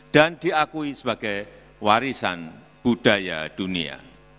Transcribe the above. diakui sebagai warisan budaya dunia